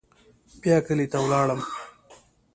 بيا کلي ته ولاړم.